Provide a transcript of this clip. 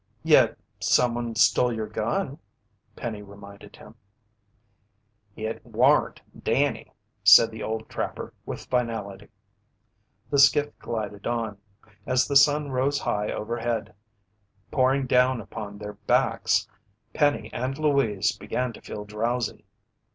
"Yet someone stole your gun," Penny reminded him. "It waren't Danny," said the old trapper with finality. The skiff glided on. As the sun rose high overhead pouring down upon their backs, Penny and Louise began to feel drowsy.